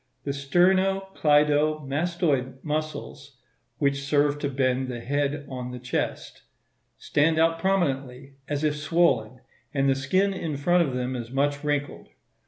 The sterno cleido mastoid muscles (which serve to bend the head on the chest) stand out prominently, as if swollen, and the skin in front of them is much wrinkled.